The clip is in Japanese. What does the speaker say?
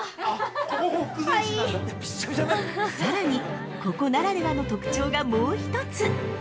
◆さらに、ここならではの特徴がもう一つ。